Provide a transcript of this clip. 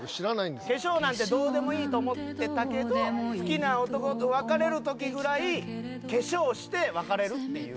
化粧なんてどうでもいいと思ってたけど好きな男と別れるときぐらい化粧して別れるっていう。